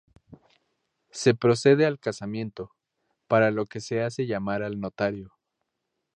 Se procede al casamiento, para lo que se hace llamar al Notario.